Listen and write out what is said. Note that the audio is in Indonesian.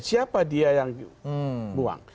siapa dia yang buang